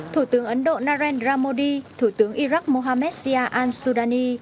thủ tướng ấn độ narendra modi thủ tướng iraq mohammed sia al sudani